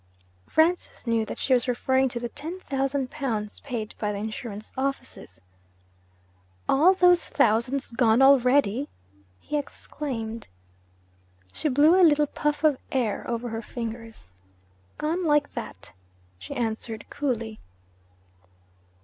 Francis knew that she was referring to the ten thousand pounds paid by the insurance offices. 'All those thousands gone already!' he exclaimed. She blew a little puff of air over her fingers. 'Gone like that!' she answered coolly.